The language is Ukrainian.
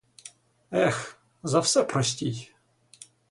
Ех, за все простіть!